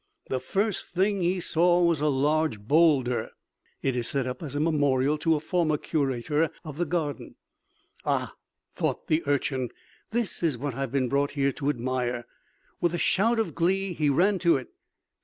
The first thing he saw was a large boulder it is set up as a memorial to a former curator of the garden. "Ah," thought the Urchin, "this is what I have been brought here to admire." With a shout of glee he ran to it.